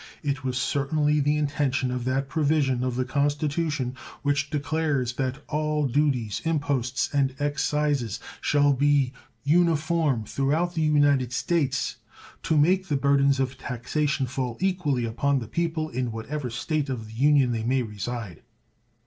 It was certainly the intention of that provision of the Constitution which declares that "all duties, imposts, and excises" shall "be uniform throughout the United States" to make the burdens of taxation fall equally upon the people in what ever State of the Union they may reside.